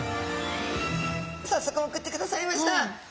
さっそく送ってくださいました。